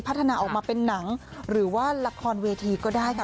ปลักษณะออกมาเป็นหนังหรือละครเวที่ก็ได้ค่ะ